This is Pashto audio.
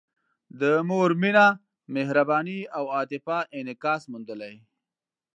د مور مینه، مهرباني او عاطفه انعکاس موندلی.